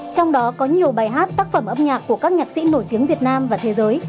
trong đó có nhiều bài hát tác phẩm âm nhạc của các nhạc sĩ nổi tiếng việt nam và thế giới